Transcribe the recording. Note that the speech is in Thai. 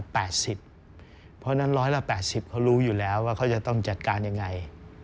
เพราะฉะนั้น๑๘๐เขารู้อยู่แล้วว่าเขาจะต้องจัดการยังไง